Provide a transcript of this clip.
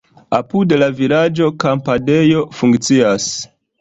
Apud la vilaĝo kampadejo funkcias.